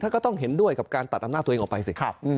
ก็ต้องเห็นด้วยกับการตัดอำนาจตัวเองออกไปสิ